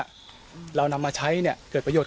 เอาเป็นว่าอ้าวแล้วท่านรู้จักแม่ชีที่ห่มผ้าสีแดงไหม